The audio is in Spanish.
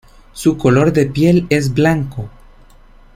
Su "Color De Piel" es blanco.